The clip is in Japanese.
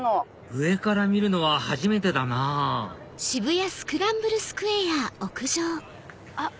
上から見るのは初めてだなぁあっ